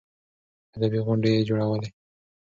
ادبي غونډې يې جوړولې.